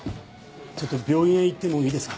ちょっと病院へ行ってもいいですか？